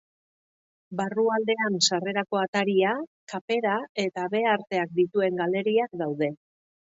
Barrualdean sarrerako ataria, kapera eta habearteak dituen galeriak daude.